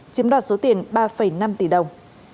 chiếm đoạt số tiền ba năm tỷ đồng